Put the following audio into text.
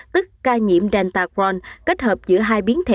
tức ca nhiễm delta cron kết hợp giữa hai biến thể